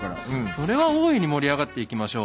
それは大いに盛り上がっていきましょう。